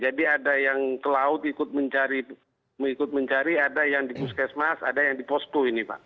jadi ada yang ke laut ikut mencari ada yang di puskesmas ada yang di posko ini pak